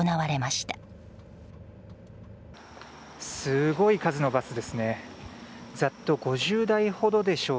すごい数のバスですね。